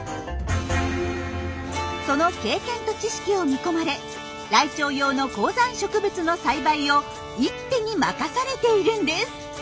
その経験と知識を見込まれライチョウ用の高山植物の栽培を一手に任されているんです。